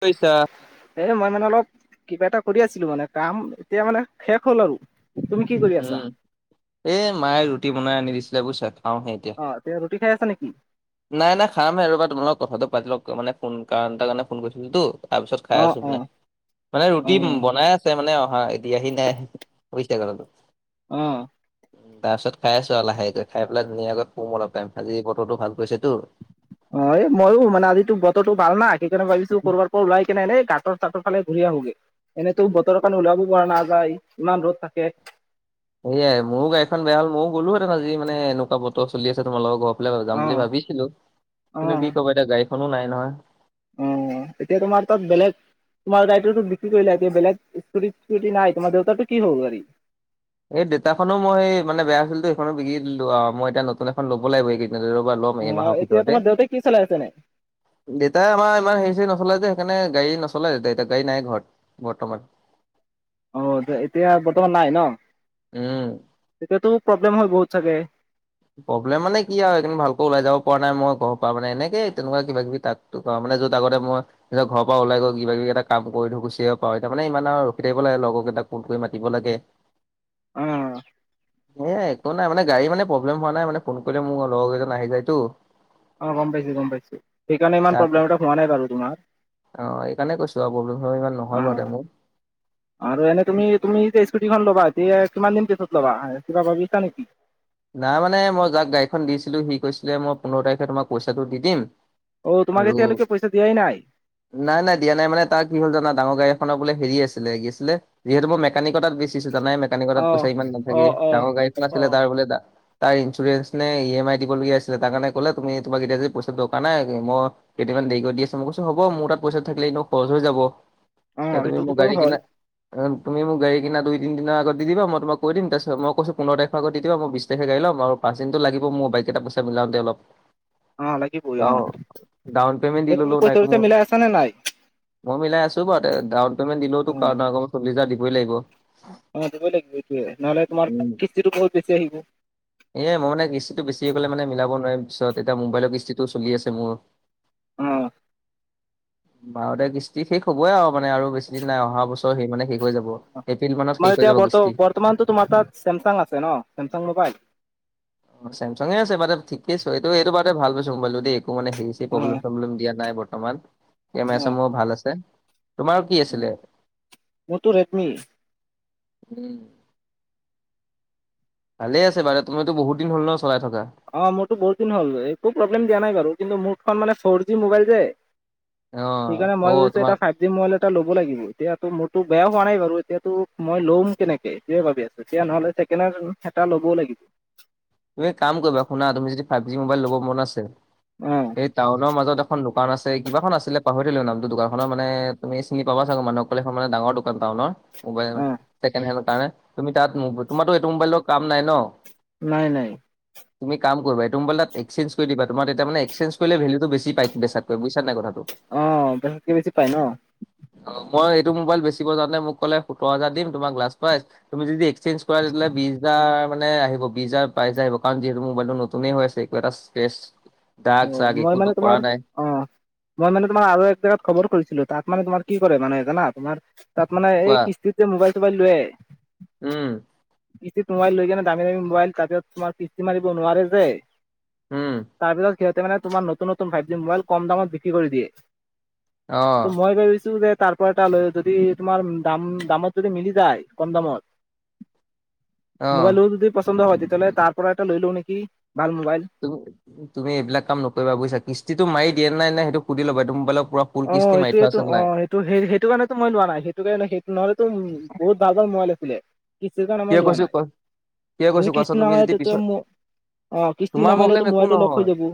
পইছা এ মই মানে অলপ কিবা এটা কৰি আছিলো মানে কাম, এতিয়া মানে শেষ হ'ল আৰু। তুমি কি কৰি আছা? উম, এ মায়ে ৰুটি বনাই আনি দিছিলে বুইছা। খাওঁ হে এতিয়া। তিয়া ৰুটি খাই আছ' নেকি? নাই নাই খামহে, ৰবা। তোমাৰ লগত কথাটো পাতি লওক মানে ফোন, কাৰণ এটাৰ কাৰণে ফোন কৰিছিলোতো। তাৰপিছত খাই অ আছো অ মানে, মানে অ ৰুটি বনাই আছ ছে মানে অহা এ দিয়াহি নাই। বুইছে কথাটো? উম্ তাৰ পিছত খাই আছো আৰু লাহেকৈ, খাই পেলাই ধুনীয়াকৈ শুম অলপ টাইম। আজি বতৰটো ভাল কৰিছেটো উম্ এ মইও, মানে আজিতো বতৰটো ভাল না, সেইকাৰণে ভাবিছো কৰবাৰ ওলাই কিনে এনে গাঁতৰ চাঁতৰ ফালে ঘূৰি আহোগৈ, এনেটো বতৰত ওলাব পৰা নাযায়, ইমান ৰ'দ থাকে। এইয়াই, মোৰো গাড়ীখন বেয়া হ'ল, ময়ো গ'লোহেতেন আজি মানে এনেকুৱা বতৰ চলি আছে তোমালোকৰ ঘৰফ অ যাম বুলি ভাবিছিলো, অ কিন্তু কি ক'বা এতিয়া, গাড়ীখনো নাই নহয়। উম্, এতিয়া তোমাৰ তাত বেলেগ তোমাৰ গাড়ীটো বিক্ৰী কৰিলা। বেলেগ স্কুটি চিস্কুটি নাই। তোমাৰ দেউতাৰটো কি হ'ল গাড়ী? এই দেউতাৰখনো মই মানে বেয়া আছিলটো, সেইখনো বিকি দিলোঁ আৰু, মই এতিয়া নতুন এখন ল'ব লাগিব এই ৰ'বা ল'ম অ এইমাহৰ এতিয়া ভিতৰতে। তোমাৰ দেউতাই কি চলাই আছে নে? দেতাই আমাৰ ইমান হেৰি চেৰি নচলাই যে, সেইকাৰণে গাড়ী নচলায় দেতাই এতিয়া, গাড়ী নাই ঘৰত বৰ্তমান। অ, এতিয়া বৰ্তমান নাই ন? উম তেতিয়াতো প্ৰব্লেম হয় বহুত চাগে! প্ৰব্লেম মানে কি আৰু এইকেইদিন ভালকৈ ওলাই যাব পৰা নাই মই ঘৰৰ পৰা মানে, এনেকেই তেনেকুৱা কিবা কিবি তাত টো তাৰমানে য'ত আগতে মই পিছত ঘৰ পৰা ওলাই গৈ কিবা কিবি এটা কাম কৰি থৈ গুচি আহিব পাৰোঁ, এতিয়া মানে ইমান আৰু ৰখি থাকিব লাগে, লগৰকেইটা ফোন কৰি মাতিব লাগে। [inaudible] এয়া একো নাই মানে, গাড়ী মানে প্ৰব্লেম হোৱা নাই মানে ফোন কৰিলে মোৰ লগৰ কেইজন আহি যায় তো। অ গম পাইছোঁ, গম পাইছোঁ, সেইকাৰণে ইমান তাক প্ৰব্লেম এটা হোৱা নাই বাৰু তোমাৰ। অ এই কাৰণে কৈছো আৰু প্ৰব্লেম বাৰু ইমান অ নহয় বাৰু দে মোৰ। আৰু এনে তুমি তুমি যে স্কুটিখন ল'বা, এতিয়া কিমান দিন পিছত ল'বা কিবা ভাবিছা নেকি? নাই মানে মই যাক গাড়ীখন দিছিলোঁ, সি কৈছিলে - মই পোন্ধৰ তাৰিখে তোমাক পইচাটো দি দিম। অ', তোমাক আৰু এতিয়ালৈকে পইচা দিয়াই নাই। নাই, নাই, দিয়া নাই মানে, তাৰ কি হ'ল জানা- ডাঙৰ গাড়ী এখনৰ বোলে হেৰি আছিলে, কি আছিলে যিহেতু মই মেকানিকৰ তাত বেচিছো, জানাই মেকানিকৰ তাত অ পইচা ইমান অ নাথাকে। অ ডাঙৰ গাড়ীখন অ আছিলে তাৰ বোলে তাৰ ইঞ্চুৰেঞ্চ নে, ই এম আই দিবলগীয়া আছিলে তাৰ কাৰণে ক'লে - তুমি তোমাক এতিয়া যদি পইচা দৰকাৰ নাই, মই কেইদিনমান দেৰিকৈ দি আছোঁ। মই কৈছোঁ - হ'ব, মোৰ তাত পইচা থাকিলে এনেও খৰচ হৈ যাব। অ তে তুমি সেইটোতো মোক বাৰু গাড়ী হয় কিনা তুমি মোক গাড়ী কিনা দুই তিন দিনৰ আগত দি দিবা, মই তোমাক কৈ দিম তাৰ পিছত মই কৈছো পোন্ধৰ তাৰিখৰ আগত দি দিবা মই বিছ [unintelligible] গাড়ী ল'ম আৰু পাঁচ দিনটো লাগিব মোক, বাকীকেইটা পইচা মিলাওঁতে অলপ। অ লাগিবই অ, ডাউন পেমেণ্ট দি এতিয়া ল'লো তুমি পইচা চইচা মিলাই আছা নে নাই [unintelligible] মই মিলাই আছো বাৰু, ডাউন পেমেণ্ট দিলেও টো অ নাই কমেও চল্লিশ হাজাৰ দিবই লাগিব। অঁ দিবই লাগিব, এইতোৱে। নহ'লে তোমাৰ উম, কিস্তিটো বহুত বেছি আহিব। এ মই মানে কিস্তিটো বেছি আহি পালে মানে মিলাব নোৱাৰিম পিছত। এতিয়া, মোবাইলৰ কিস্তিটো চলি আছে মোৰ। উম্ বাৰতা কিস্তি শেষ হ'বই আৰু মানে আৰু বেছি দিন নাই। অহা বছৰ সেই মানে শেষ হৈ যাব। এপ্ৰিল মানত তোমাৰ শেষ হৈ এতিয়া যাব বৰ্ত কিস্তি। বৰ্তমানতো তোমাৰ তাত চেমচাং আছে ন'? চেমচাং মোবাইল অ' চেমচাঙে আছে বা ঠিকেই আছে, এইটো এইটো বাতে ভাল পাইছোঁ, মোবাইলটো দেই। একো মানে হেৰি চেৰি অ প্ৰব্লেম চব্লেম দিয়া নাই বৰ্তমান, অ কেমেৰা চেমেৰাও ভাল আছে। তোমাৰ কি অ আছিলে? মোৰতো ৰেডমি ভালে আছে বাৰু, তোমাৰতো বহুতদিন হ'ল ন' চলাই থকা? অ' মোৰটো বহুতদিন হ'ল একো প্ৰব্লেম দিয়া নাই বাৰু কিন্তু মোৰখন মানে ফ'ৰজি মোবাইল যে অ সেইকাৰণে অ মই ভাবিছোঁ তোমাৰ এটা ফাইভ যি মোবাইল এটা ল'ব লাগিব, এতিয়াতো মোৰটো বেয়া হোৱা নাই বাৰু, এতিয়াতো মই ল'ম কেনেকে এইটোয়ে ভাবি আছোঁ। তেতিয়া নহ'লে ছেকেন্ড হেন এটা ল'ব লাগিব। তুমি এ, কাম কৰিবা শুনা তুমি যদি ফাইভজি মোবাইল ল'ব মন আছে অ এই টাউনৰ মাজত এখন দোকান আছে, কিবাখন আছিলে পাহৰিলো নামটো দোকানখনৰ, মানে তুমি চিনি পাবা চাগে মানুহক কলে মানে ডাঙৰ দোকান টাউনৰ মোবাইল অ ছেকেন হেনডৰ কাৰণে তুমি তাত, তোমাৰো এইটো মোবাইলৰ কাম নাই ন'? নাই নাই। তুমি কাম কৰিবা এইটো মোবাইল তাত এক্সেঞ্জ কৰি দিবা, তোমাৰ তেতিয়া মানে এক্সেঞ্জ কৰিলে ভেলুটো বেছি পাই বেছাতকৈ বুজিছানে নাই? কথাটো? অ' বেচাতকে বেছি পায় ন'? অ' মই এইটো মোবাইল বেচিব যাওঁতে মোক কলে সোতৰ হাজাৰ দিম তোমাৰ গ্লাছ প্ৰাইজ তুমি যদি এক্সেঞ্জ কৰাই দিলে বিছ হাজাৰ মানে আহিব, বিছ হাজাৰ পাই যাই আহিব কাৰণ যিহেতু মোবাইলটো নতুনে হৈ আছে একো এটা ক্ৰেচ, ডাগ অ চাগ মই একোতো মানে কৰা তোমাৰ নাই। অ' মই মানে তোমাৰ আৰু এক জেগাত খবৰ কৰিছিলো, তাত মানে তোমাৰ কি কৰে মানে জানা তোমাৰ তাত মানে কোৱা এই কিস্তিত যে মোবাইল তোবাইল লোৱে উম। কিস্তিত মোবাইল লৈ কিনে দামী দামী মোবাইল তাতে তোমাৰ কিস্তি মাৰিব নোৱাৰে যে উম। তাৰপিছত সিহঁতে মানে তোমাৰ নতুন নতুন ফাইভজি মোবাইল কম দামত বিক্ৰী কৰি দিয়ে। অ ত' মই ভাবিছোঁ যে তাৰ পৰা এটা লৈ, যদি তোমাৰ দাম, দামত যদি মিলি যায় কম দামত অ মোবাইলো যদি পচন্দ হয়, তেতিয়াহ'লে তাৰপৰা এটা লৈ লও নেকি ভাল মোবাইল। তুমি তুমি এইবিলাক কাম নকৰিবা বুজিছা, কিস্তিটো মাৰি দিয়ে নে সেইটো সুধি লবা এইটো মোবাইলৰ পুৰা ফুল কিস্তি অ' মাৰি থোৱা এইটোয়েতো আছে নাই অ' ত' সেই-সেইটো কাৰণেতো মই লোৱা নাই, সেইটো কাৰণে সেইটো নহ'লেতো বহুত ভাল ভাল মোবাইল আছিলে। কিস্তিৰ কাৰণে কিয় মই লোৱা কৈছো নাই, ক কিয় কৈছো যদি কোৱাচোন কিস্ত তুমি নামেৰে যদি তেতিয়া পিছত মোৰ অ' কিস্তি তোমাৰ নামাৰিলেতো মোবাইলটো লক হৈ যাব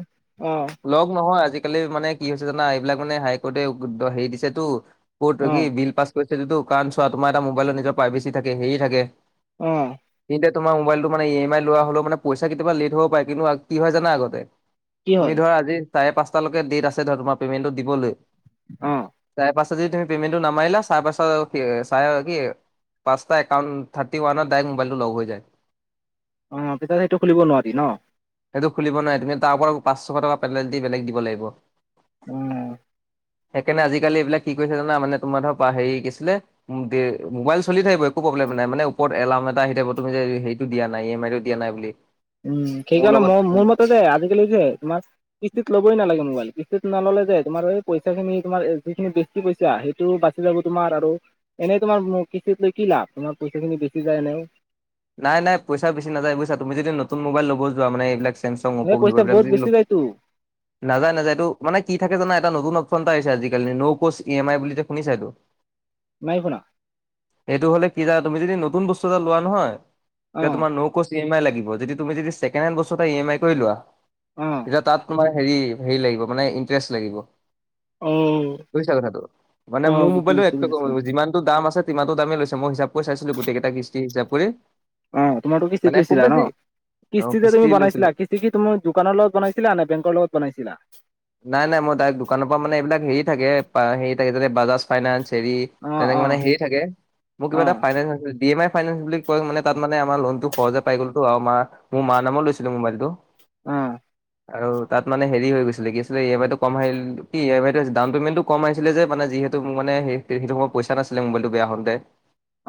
অ'। লক নহয় আজিকালি মানে কি হৈছে জানা, এইবিলাক মানে হাই কোৰ্টে হেৰি দিছেতো ক'ট অ কি বিল পাছ কৰিছেতো কাৰণ চোৱা তোমাৰ এটা মোবাইলৰ নিজৰ প্ৰাইভেচি থাকে, হেৰি থাকে। অ'। তেন্তে তোমাৰ মোবাইলটো মানে ই এম আই লোৱা হ'লে মানে পইচা কেতিাবা লেট হ'ব পাৰে কিন্তু কি হয় জানা আগতে? কি তুমি হয় ধৰা আজি চাৰে পাঁচটালৈকে ডেট আছে দিবলৈ, তোমাৰ পেমেন্টটো দিবলৈ, অ চাৰে পাঁচ এতিয়া ধৰ পেমেণ্টটো নামাৰিলা ছাৰে পাঁচ টা ছাৰে কি পাঁচটা একাৱান থা টি ওৱানত ডাইৰেক্ট মোবাইলটো লক হৈ যায়। অ' পিছত সেইটো খুলিব নোৱাৰি ন'? সেইটো খুলিব নোৱাৰি, তুমি তাৰপৰা পাঁচশ টকা পেনাল্টী বেলেগ দিব লাগিব। অ'। সেইকাৰণে আজিকালি এইবিলাক কি কৰিছে জানা, মানে তোমাৰ ধৰ হেৰি কি আছিলে উ, মোবাইল চলি থাকিব একো প্ৰব্লেম নাই মানে ওপৰত এলাৰ্ম এটা আহি থাকিব তুমি যে হেৰিটো দিয় নাই, ই এম আইটো দিয়া নাই বুলি। উম, মোৰ সেইকাৰণে লগত মই, মোৰ মতে যে আজিকালি যে তোমাৰ কিস্তিত ল'বই নালাগে মোবাইল, কিস্তিত নল'লে যে তোমাৰ এই পইচাখিনি তোমাৰ যিখিনি কি কৈছা সেইটো বাচি যাব তোমাৰ আৰু এনেই তোমাৰ কিস্তিত লৈ কি লাভ, তোমাৰ পইচাখিনি বেছি যায় এনেও। নাই নাই পইচা বেছি নাযায় বুজিছা? তুমি যেতিয়া নতুন মোবাইল ল'ব যোৱা মানে এইবিলাক চেমচং, অ'পো, এনে ভিভ' পইচা বহুত বেছি এইবিলাক য যায়তো নাযা নাযায়, এইটো মানে কি থাকে জান এটা নুতুন অপচন এটা আহিছে আজিকালি ন' কোচ ই এম আই বুলি শুনিছা এইটো। নাই শুনা। এইটো হ'লে কি জানা তুমি যদি নতুন বস্তু এটা লোৱা নহয়। অ এতিয়া তোমাৰ ন কোচ ই এম আই লাগিব, যদি তুমি যদি তুমি ছেকেণ্ড হেড বস্তু এটা ই এম আই কৰি লোৱা অ'। এতিয়া তাত তোমাৰ হেৰি, হেৰি লাগিব মানে ইণ্টাৰেষ্ট লাগিব। অ বুজিছা কথাটো, মানে অ মোৰ মোবাইলেো বুজিছো এক বুজিছো ক যিমান টো দাম আছে সিমানটো দামেই লৈছে, মই হিচাপ কৰি চাইছিলো, গোটেই কেইটা কিষ্টি হিচাপ কৰি। অ' তোমাৰতো কিস্তিত মানে খুব লৈছিলা ন, বেছি অ' কিস্তিতে কিস্তি তুমি লৈছিলো। বনাইছিলা কিস্তি কি তুমি দোকানৰ লগত বনাইছিলা নে বেংকৰ লগত বনাইছিলা? নাই নাই, মোৰ ডাইক দোকানৰ পৰা মানে এইবিলাক হেৰি থাকে হেৰি থাকে যাতে বাজাজ ফাইনেস হেৰি অ অ তেনেকে মানে হেৰি থাকে, মোৰ অ কিবা এটা finance D M I finance বুলি মানে তাত মানে আমাৰ লোনতটো সহজে পাই গ'লতো আৰু, মা মোৰ মাৰ নামত লৈছিলো মোবাইলটো। উম। আৰু তাত মানে হেৰি হৈ গৈছিলে কি ই এম আই টো কম আহ কি এ আই ডাউন পেমেণ্টো কম আহছিলে, যে মানে যিহেতু মানে সেই সেইটো সময়ত পইচা নাছিলে মোবাইলটো বেয়া হওতে।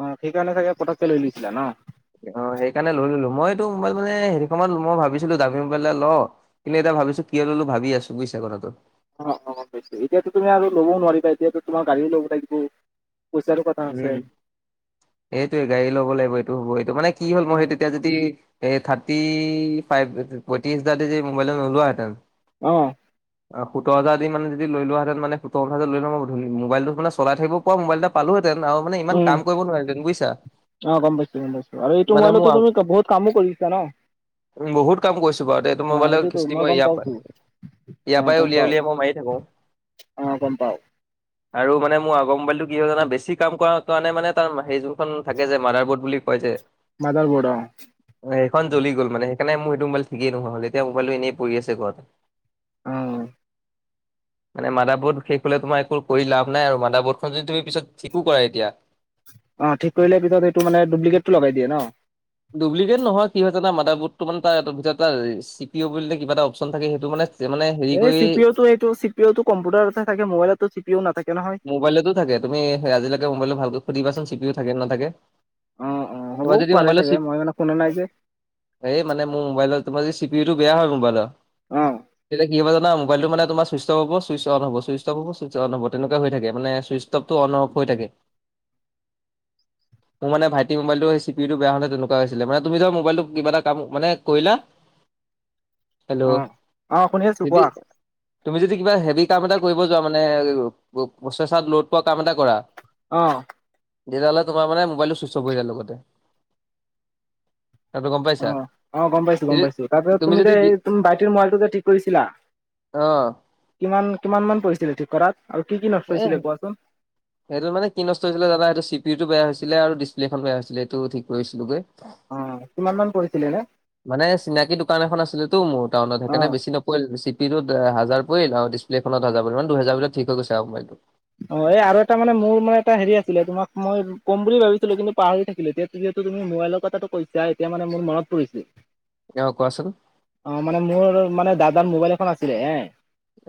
অ' সেইকাৰণে চাগে পটককে লৈ লৈছিলা ন? অ' সেইকাৰণে লৈ ললো, মইতো মোবাইল মানে হেৰি সময়ত মই ভাবিছিলো দামি মোবাইল এটা লও। কিন্তু এটা ভাবিছো, কিয় ললো ভাবি আছো বুজিচা কথাটো। অ' অ' বুজিছো এতিয়াটো তুমি আৰু ল'ব নোৱাৰিবা এতিয়াটো তোমাৰ গাড়ীও ল'ব লাগিব। পইচাৰো কথা আছে। উম, এইটোয়ে গাড়ী ল'ব লাগিব, এইটো হ'ব এইটো মানে কি হ'ল মই সেইটো এতিয়া যদি, এ থাৰ্টি ফাইভ পঁয়ত্ৰিছ হাজাৰ দি মোবাইল নোলোৱাহেঁতেন অ'। অ' সোতৰ হাজাৰ দি মানে যদি লৈ লোৱাহেতেন মানে সোতৰ হাজাৰ লৈ' ম গধলি মোবাইটো মানে চলাই থাকিব পৰা মোবাইল এটা পালোহেতেন আৰু মানে ইমান উম কাম কৰিব নোৱাৰিহঁতেন বুইছা। অ' গম পাইছোঁ গম পাইছোঁ, আৰু এইটো মবাইল তো তুমি বহুত কামো কৰিছা ন। বহুত কাম কৰিছো বাৰু তে এইটো অ মইবালৰ এইটোতো কিস্তি মই গম ইয়াৰ পাওতো পাই অ ইয়াৰ পাই গম উলিয়াই পাও উলাই মই মাৰি থাকো। অ' গম পাওঁ। আৰু মানে মোৰ আগৰ মোবাইলটো কি হয় জানা, বেছি কাম কৰ কাৰণে মানে তাৰ সেই যোনখন থাকে যে, মাডাৰ বৰ্ড বুলি কয় যে মাদাৰ বোৰ্ড অ'। সেইখন জ্লি গল মানে সেইকাৰনে মোৰ হেইটো মোবাইল ঠিকেই নোহোৱা হ'ল, এতিয়া মোবাইল এনেই পৰি আছে ঘৰত। উম। মানে মাদাবৰ্ড শেষ হলে তোমাৰ একো কৰি লাভ নাই আৰু, মাদাবৰ্ডখন যদি তুমি পিছত ঠিকো কৰাই দিয়া। অ' ঠিক কৰিলে পিছত এইটো মানে দোপলিকেটটো লগাই দিয়ে ন। ডুপ্লিকেট নহয় কি হয় জান মাদাৰ বুডটো মানে ত ভিতৰত চি কিবা এটা অপশন থাকে সেইটো মানে মানে হেৰি এই কৰি চি পিও টো এইটো চি োম্পউটাৰততে থাকে মোবাইলতো চিও নথাকে নহয়। মোবাইলো থাকে। তুমি আজিলৈকে মোবাইলটো ভালকৈ সুধিবাচোন চিও থাকে, নাথাকে। অ' অ' তোমাৰ হ'বও যদি পাৰে মোবাইলৰ চি চাগে মই মানে শুনা নাই যে। এই মানে মোৰ মোবাইলৰ তোমাৰ চিপিওটো বেয়া হয় মোবাইলৰ, অ তে কি হব জানা মোবলটো মানে তোমা চোইচফ হ'ব ছূইচ অন' ছুইচফ হ'ব ছইচ অন হ'ব তেনেকৈ হৈ থাকোনে ছইচ উ্তৱটো অন অফ হৈ থাকে। [inaudible] মোৰ মানে ভাইটি মোবাইলটো চি পিওটো বেয়া হওতে হৈছিলে মানে, তুমি যোৱা মোবাইলত কিবা এ কাম মানে কৰিলা। অ হেল্ল' অ শুনি আছো কোৱা [unintelligible] তুমি যদি কিবা হেভি কাম এটা কৰিব যোৱা মানে, প্ৰচেছত ল'ড পোৱা কাম এটা কৰা অ'। তেতিয়াহ'লে তোমাৰ মান মোবাইলটো চুইচ অফ হৈ যায় লগতে। কথাটো গম পাইছা? অ', অ', গম পাইছোঁ, গম পাইছোঁ। তাৰপিছত তুমি যে যদি কি এই ভাইটিৰ মোবাইলটো যে ঠিক কৰিছিলা অ'। কিমান, কিমান মান পৰিছিলে ঠিক কৰাত আৰু কি, কি নষ্ট এ হৈছিলে কোৱাচোন? সেইটো মানে কি নষ্ট হৈছিলে দাদা, সেইটো চি পি উ টো বেয়া হৈছিলে আৰু ডিচপ্লেখন বেয়া হৈছিলে এইটো ঠিক কৰিছিলোগৈ। অ', কিমান মান পৰিছিলে নে মানে চিনাকি দোকান এখন আছিলেতো মোৰ টাউনত সেইকাৰণে অ', বেছি ন পৰিল চি পি উ টোত হাজাৰ পৰিল আৰু ডিছপ্লেখনত হাজাৰ পৰিল, মান দুহেজাৰ ভিতৰত ঠিক হৈ গৈছে আৰু মোবাইল। অ', এই আৰু এটা মানে মোৰ মানে এটা হেৰি আছিলে, তোমাক মই ক'ম বুলি ভাবিছিলোঁ কিন্তু পাহৰি থাকিলোঁ এতিয়া যিহেতু তুমি মোবাইলৰ কথাটো কৈছা, এতিয়া মানে মোৰ মনত পৰিছে। অ', কোৱাচোন। অ', মানে মোৰ মানে দাদাৰ মোবাইল এখন আছিলে এ!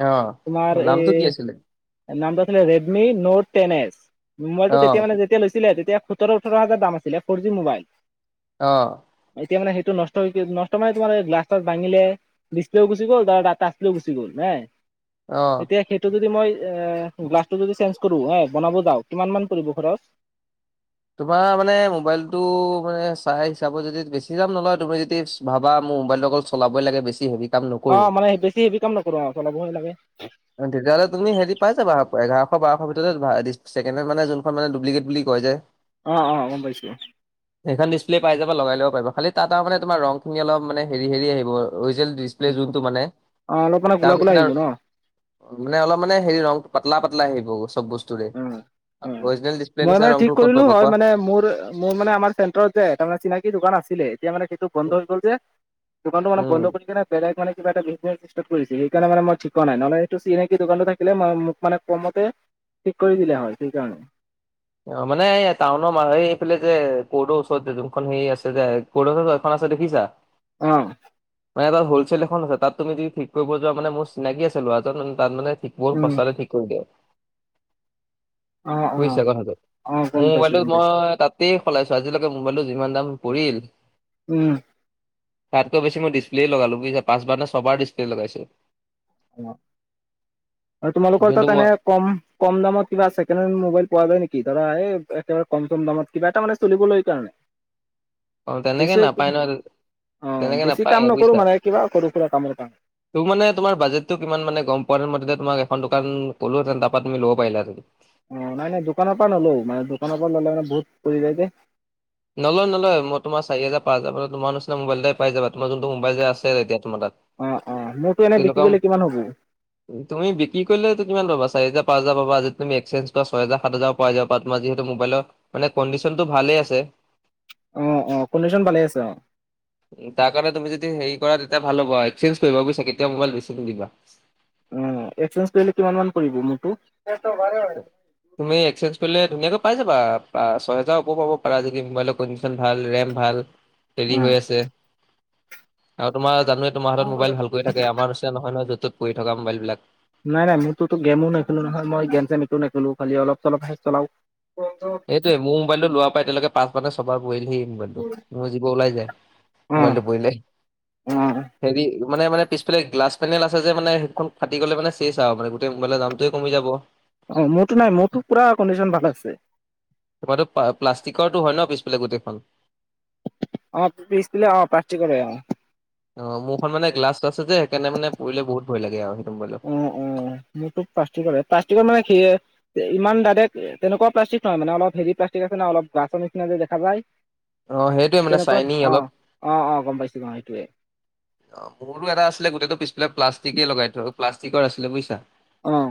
অ তোমাৰ নামটো এই কি আছিলে? নামটো আছিলে ৰেডমি নোট টেন এচ, অ মোবাইলটো তেতিয়া মানে যেতিয়া লৈছিলে তেতিয়া সোতৰ ওঠৰ হাজাৰ দাম আছিলে ফ'জ মোবাইল। অ'। এতিয়া মানে সেইটো নষ্ট, নষ্ট মানে তোমাৰ গ্লাছ চাছ ভাঙিলে। ডিছপ্লেও গুচি গ'ল, তাৰ তাচপ্লেও গুচি গ'ল হে' অ এতিয়া সেইটো যদি মই এ গ্লাছটো যদি চেঞ্জ কৰোঁ হে' বনাব যাওঁ কিমান মান পৰিব খৰচ? তোমাৰ মানে মোবাইলটো মানে চাই হিচাপত যদি বেছি দাম নলয়, তুমি যদি ভাবা মোৰ মোবাইলটো অকল চলাবই লাগে বেছি হে অ', মানে বেছি হেভি কাম নকৰোঁ অ', চলাবই লাগে। তেতিয়াহ'লে তুমি হেৰি পাই যাবা, এঘাৰশ বাৰশৰ ভিতৰতে ধৰা ছেকেণ্ড হেণ্ড মানে যোনখন মানে দুবলিকেট বুলি কয় যে! অ', অ', গম পাইছোঁ। সেখন ডিছপ্লে পাই যাবা, লগাই ল'ব পাৰিবা। খালি তাত আৰু মানে তোমাৰ ৰংখিনি অলপ মান হেৰি, হেৰি আহিব অৰিজিনেল যোনটো মানে অলপ, অলপ ক'লা, ক'লা আহিব ন? অ', মানে অলপ মানে হেৰি ৰংটো পাতলা, পাতলা আহিব চব বস্তু উম, অ', মই মানে ঠিক ৰংটো ক'ত কৰিলোঁ পাবা হয়, কোৱা? মানে মোৰ, মোৰ মানে আমাৰ চেণ্টাৰত যে তাৰমানে চিনাকি দোকান আছিলে। এতিয়া মানে সেইটো বন্ধ হৈ গ'ল যে, দোকানতটো মানে উম। বন্ধ কৰি কেনে বেলেগ মানে কিবা এটা বিজনেচ কৰিছে সেইকাৰণে মানে মই ঠিক কৰা নাই, নহ'লে এইটো চিনাকি দোকানটো থাকিলে মোক মানে কমতে ঠিক কৰি দিলে হয়, সেইকাৰণে। অ', মানে এই টাউনৰ মা সেইফালে যে কৰ্টৰ ওচৰত যোনখন হেৰি আছে যে [unintelligible] আছে দেখিছা? অ'। মানে তাত হলচেল এখন আছে, তাত তুমি যদি ঠিক কৰিব যোৱা মানে মোৰ চিনাকি আছে ল'ৰাজন তাত মানে ঠিক বহুত উম, সস্তাতে ঠিক কৰি দিয়ে। অ', বুজিছা অ'। কথাটো? অ', গম মোৰ পাইছো, মোবাইলটো গম পাইছো, মই তাতেই সলাইছোঁ, আজিলৈকে মোবাইলটো যিমান দাম পৰিল উম। তাতকৈ বেছি মই ডিছপ্লে লগালো বুইছা, পাঁছবাৰ নে ছবাৰ ডিছপ্লে লগাইছোঁ। অ', আৰু তোমালোকৰ যোনটো তাত মই এনে কম, কম দামত কিবা ছেকেণ্ড হেণ্ড মোবাইল পোৱা যায় নেকি? ধৰা একেবাৰে কম, কম দামত! কিবা এটা মানে চলিবলৈ কাৰণে! অ', তেনেকে বেছি নাপায় নহয় অ', তেনেকে বেছি নাপায় কাম বুজিছা? নকৰোঁ মানে, কিবা সৰু সুৰা কামৰ কাৰণে। তোৰ মানে তোমাৰ বাজেটটো কিমান মানে গম পোৱা হ'লে, মই তেতিয়া তোমাক এখন দোকান ক'লোহেঁতেন তাপা তুমি ল'ব পাৰিলাহেঁতেন। অ', নাই, নাই দোকানৰ পৰা নলওঁ, মানে দোকানৰ পা ল'লে মানে বহুত পৰি যায় যে। নলয় নলয় মই তোমাৰ চাৰি হাজাৰ পাঁচ‌ তোমাৰ নিচনা মোবাইলাই যে পাই যাবা। তোমাৰ যোনটো মোবাইল যে আছে এতিয়া তোমাৰ তাত। অহ', অহ' মোৰতো এনে বিক্ৰী তেনেকুৱা কৰিলে কিমান হ'ব? তুমি বিক্ৰী কৰিলেটো কিমান পাবা, চাৰি হাজাৰ পাঁচ হাজাৰ পাবা। যে তুমি এক্সেঞ্জ কৰা ছয় হাজাৰ সাত হাজাৰ পাবা। পাই যাবা তোমাৰ যিহেতু মোবাইলৰ মানে কণ্ডিশনটো ভালেই আছে। অহ', অহ'। কণ্ডিশ্যন ভালে আছে অহ। তাৰ কাৰণে তুমি যদি হেৰি কৰা তেতিয়া ভাল হ'ব। এক্সেঞ্জ কৰিবা বুজিছা কেতিয়া মোবাইল বেচিবা দিবা। অহ, এক্সচেঞ্জ কৰিলে কিমান মান পৰিব মোৰটো? তুমি এক্সেঞ্জ কৰিলে ধুনীয়াকৈ পাই যাবা, ছয় হেজাৰ ওপৰও পাব পাৰা যদি মোবাইল কডিচন ভাল, ৰেম ভাল। হেৰি হৈ আছে আৰু তোমাৰ জানোৱে তোমাৰ হাতত অ'। মোবাইল ভালকৈ থাকে, আমাৰ নিচিনা নহয় নহয় য যত পৰি থকা মোবাইলবিলাক। নাই নাই মোৰটো গেমো নেখো নহয়। মই গম-চেমটো নেখেলো খালি অলপ-চলপ হে চলাওঁ। এইটোয়েই মোৰ মোবাইলটো লোৱাৰ পৰাই‌ এতিয়ালৈকে পাঁচবাৰ নে ছয়বাৰ পৰিলেই এই মোবাইলটো। মোৰ জীব ওলাই যায়। মোবাইলটো পৰিলে। উম। হেৰি মানে-মানে পিছালে গ্লাছ পেনে আছে যে মানে সেইখন ফাটি গ'লে মানে চেচ আৰু মানে গোটেই মোবাইলৰ দামটোৱে কমি যাব। অহ, মোৰটো নাই। মোৰটো পুৰা কণ্ডিচন ভাল আছে। তোমাৰটো প্লাষ্টিকৰটো হয় ন' পিছফেলে গোটেইখন। অহ, পিছফালে অহ, প্লাষ্টিকৰেই অহ। অহ, মোৰখন মানে গ্লাছ আছে যে সেইকাৰণে মানে পৰিলে বহুত ভয় লাগে সেইটো মোবাইলৰ। উম', উম'। মোৰো প্লষ্টিকৰে, প্লষ্টিকৰ মানে কি ইমান ডাইৰেক্ট তেনেকুৱা প্লাষ্টিক নহয় মানে অলপ হেৰি প্লষ্টিক আছে ন' অলপ গ্লাছৰ নিচিনা যে দেখা যায়। অ' সেইটোৱে মানে তেনেকুৱাত চাইনি অলপ। অহ'। অহ', অহ' গম পাইছোঁ গ' সেইটোৱে। অহ, মোৰো এটা আছিলে গোটেইটো পিছফালে প্লাষ্টিকেই লগাই থৈ, প্লাষ্টিকৰ আছিলে বুজিছা। অহ।